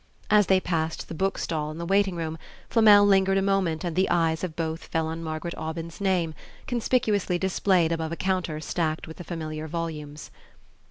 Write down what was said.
As they passed the bookstall in the waiting room Flamel lingered a moment and the eyes of both fell on Margaret Aubyn's name, conspicuously displayed above a counter stacked with the familiar volumes.